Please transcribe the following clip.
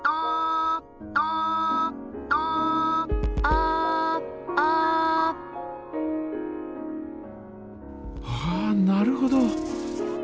ああなるほど。